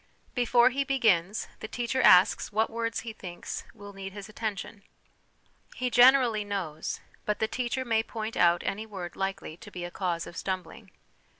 Before he begins, the teacher asks what words he thinks will need his attention. He generally knows, but the teacher may point out any word likely to be a cause of stumbling.